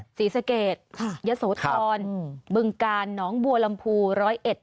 ศรีสะเกดยะโสธรบึงกาลหนองบัวลำพูร้อยเอ็ด